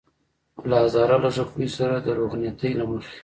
له هزاره لږکیو سره روغنيتۍ له مخې.